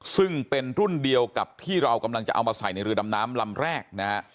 ซึ่งเป็นรุ่นเดียวกับที่เรากำลังจะเอามาใส่ในเรือดำน้ำลำแรกนะฮะ